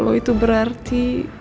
walau itu berarti